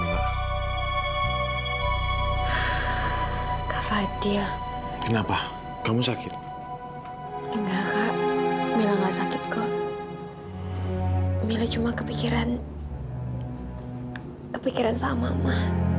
kak fadil kenapa kamu sakit enggak enggak sakit kok milih cuma kepikiran kepikiran sama